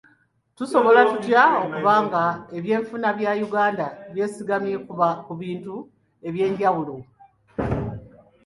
Tusobola tutya okuba nga ebyenfuna bya Uganda byesigambye ku bintu eby'enjawulo?